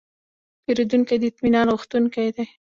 پیرودونکی د اطمینان غوښتونکی دی.